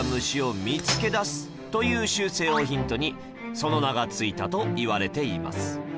その名が付いたといわれています